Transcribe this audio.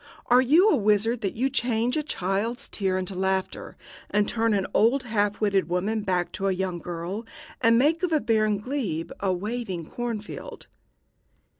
Are you a wizard that you change a child's tears into laughter, and turn an old half witted woman back to a young girl, and make of a barren glebe a waving corn field?"